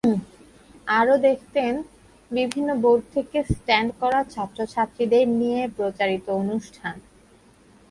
আরও দেখতেন বিভিন্ন বোর্ড থেকে স্ট্যান্ড করা ছাত্রছাত্রীদের নিয়ে প্রচারিত অনুষ্ঠান।